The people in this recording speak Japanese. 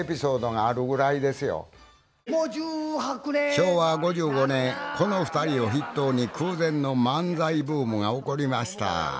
昭和５５年この２人を筆頭に空前の漫才ブームが起こりました